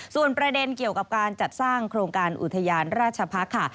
ส่วนประเด็นเกี่ยวกับการจัดสร้างโครงการอุทยานราชพักษ์ค่ะ